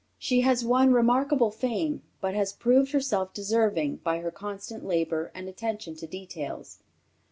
She has won remarkable fame, but has proved herself deserving by her constant labor, and attention to details.